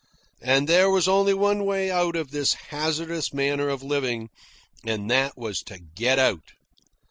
And there was only one way out of this hazardous manner of living, and that was to get out.